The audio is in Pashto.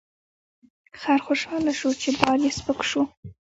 خر خوشحاله شو چې بار یې سپک شو.